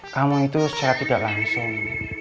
kamu itu secara tidak langsung